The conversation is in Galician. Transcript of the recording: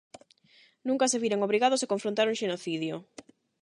Nunca se viran obrigados a confrontar un xenocidio.